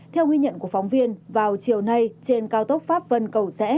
theo ghi nhận của phóng viên vào chiều nay trên cao tốc pháp vân cầu rẽ